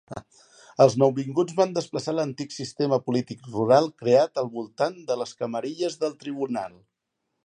Els nouvinguts van desplaçar l'antic sistema polític rural creat al voltant de les camarilles del tribunal.